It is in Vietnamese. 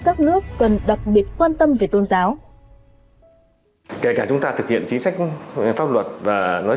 các nước cần đặc biệt quan tâm về tôn giáo kể cả chúng ta thực hiện chính sách pháp luật và nói